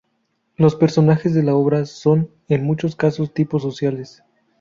Los personajes de la obra son en muchos casos tipos sociales.